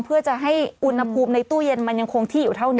เพื่อจะให้อุณหภูมิในตู้เย็นมันยังคงที่อยู่เท่านี้